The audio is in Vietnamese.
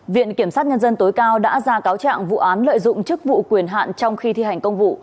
viện kiểm sát nhân dân tối cao đã ra cáo trạng vụ án lợi dụng chức vụ quyền hạn trong khi thi hành công vụ